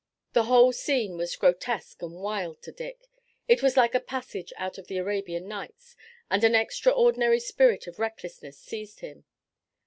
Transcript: The whole scene was grotesque and wild to Dick. It was like a passage out of the Arabian Nights, and an extraordinary spirit of recklessness seized him.